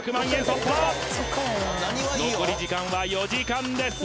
突破残り時間は４時間です